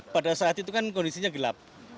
pada saat itu kan kondisinya gelap